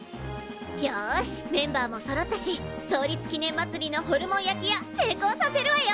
よしメンバーもそろったし創立記念まつりのホルモン焼き屋成功させるわよ！